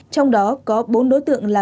trong đó có bốn đối tượng là